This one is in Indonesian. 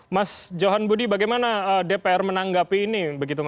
mas johan budi bagaimana dpr menanggapi ini